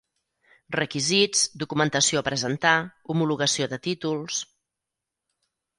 Requisits, documentació a presentar, homologació de títols...